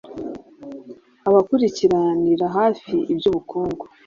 Abakurikiranira hafi iby’ubukungu